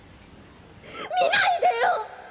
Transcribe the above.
見ないでよ！